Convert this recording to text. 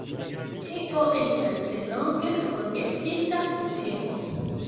Tio estas delonge forgesita kutimo.